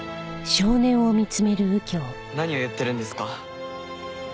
何を言ってるんですか？